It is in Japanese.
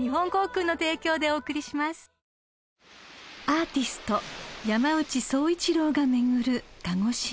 ［アーティスト山内総一郎が巡る鹿児島］